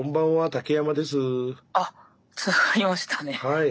はい。